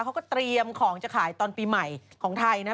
เขาก็เตรียมของจะขายตอนปีใหม่ของไทยนะ